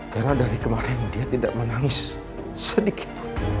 karena dari kemarin dia tidak menangis sedikit